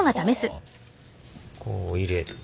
こう入れて。